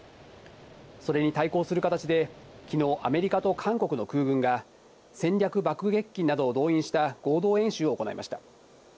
それに対抗する形で昨日、アメリカと韓国の空軍が戦略爆撃機などを動員した合同演習を行いました。